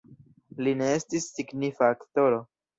Li ne estis signifa aktoro.